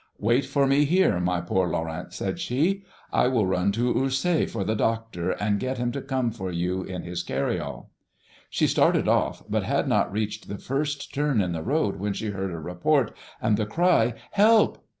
"'Wait for me here, my poor Laurent,' said she; 'I will run to Ursay for the doctor, and get him to come for you in his carryall.' "She started off, but had not reached the first turn in the road when she heard a report and the cry, 'Help!'